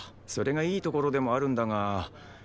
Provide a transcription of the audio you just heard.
それがいいところでもあるんだが。